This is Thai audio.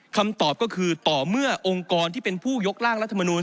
คำตอบก็คือต่อเมื่อองค์กรที่เป็นผู้ยกร่างรัฐมนูล